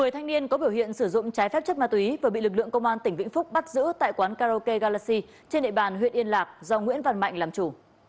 một mươi thanh niên có biểu hiện sử dụng trái phép chất ma túy vừa bị lực lượng công an tỉnh vĩnh phúc bắt giữ tại quán karaoke galaxy trên địa bàn huyện yên lạc do nguyễn văn mạnh làm chủ